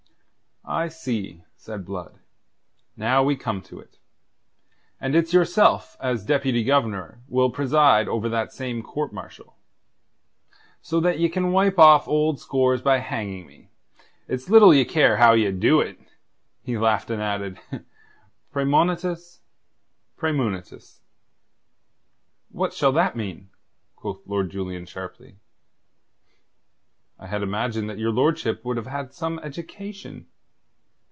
"I see," said Blood. "Now we come to it. And it's yourself as Deputy Governor will preside over that same court martial. So that ye can wipe off old scores by hanging me, it's little ye care how ye do it!" He laughed, and added: "Praemonitus, praemunitus." "What shall that mean?" quoth Lord Julian sharply. "I had imagined that your lordship would have had some education."